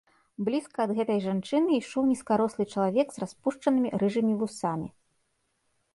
Блізка ад гэтай жанчыны ішоў нізкарослы чалавек з распушчанымі рыжымі вусамі.